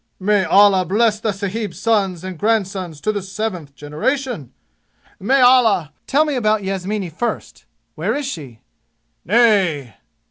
"May Allah bless the sahib's sons and grandsons to the seventh generation! May Allah " "Tell me about Yasmini first! Where is she?" "Nay!"